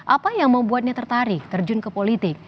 apa yang membuatnya tertarik terjun ke politik